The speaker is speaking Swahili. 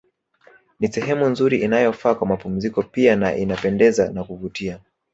Ni sehemu nzuri inayofaa kwa mapumziko pia na inapendeza na kuvutia